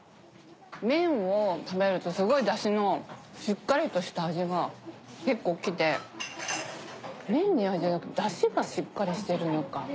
麺を食べるとすごい出汁のしっかりとした味が結構来て麺に味じゃなくて出汁がしっかりしてるのか。